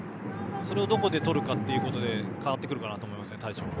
それをどこでとるかということで対処法が変わってくるかなと思います。